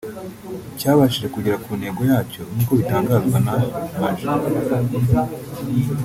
cyabashije kugera ku ntego yacyo nk’uko bitangazwa na Maj